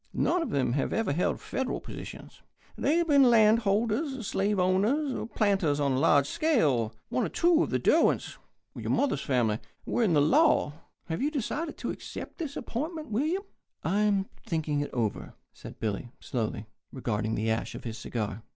None of them have ever held Federal positions. They have been land holders, slave owners, and planters on a large scale. One of two of the Derwents your mother's family were in the law. Have you decided to accept this appointment, William?" "I am thinking it over," said Billy, slowly, regarding the ash of his cigar.